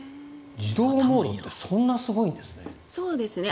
自動モードってそんなすごいんですね。